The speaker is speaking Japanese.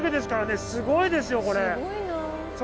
すごいですよこれ。